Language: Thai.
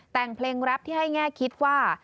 แต่งเพลงแรปที่ให้แง่คิดว่า